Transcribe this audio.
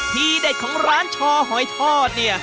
ทีเด็ดของร้านชอหอยทอดเนี่ย